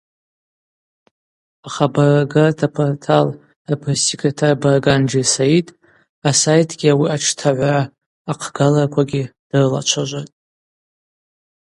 Ахабарргарта портал апресс-секретарь Барганджия Саид асайтгьи ауи атштагӏвра ахъгалраквагьи дрылачважватӏ.